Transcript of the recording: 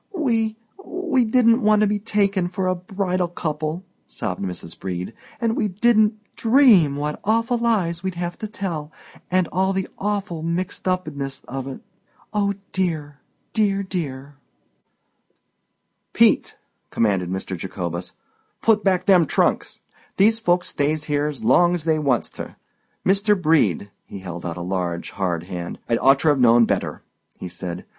"W W W We didn't want to be t t taken for a b b b b bridal couple," sobbed Mrs. Brede; "and we d d didn't dream what awful lies we'd have to tell, and all the aw awful mixed up ness of it. Oh, dear, dear, dear!" "Pete!" commanded Mr. Jacobus, "put back them trunks. These folks stays here's long's they wants ter. Mr. Brede"—he held out a large, hard hand—"I'd orter've known better," he said.